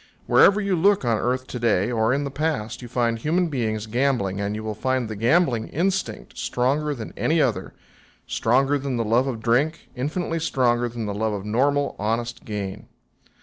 Wherever you look on earth to day or in the past you find human beings gambling, and you will find the gambling instinct stronger than any other stronger than the love of drink, infinitely stronger than the love of normal, honest gain.